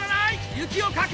雪をかく！